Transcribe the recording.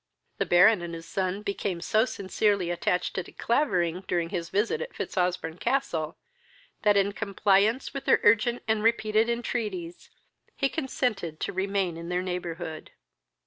The Baron and his son became so sincerely attached to De Clavering during his visit at Fitzosbourne castle, that, in compliance with their urgent and repeated entreaties, he consented to remain in their neighborhood.